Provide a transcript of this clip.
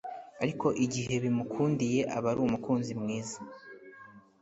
ariko igihe bimukundiye aba ari umukunzi mwiza